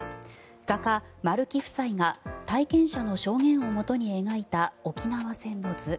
画家、丸木夫妻が体験者の証言をもとに描いた「沖縄戦の図」。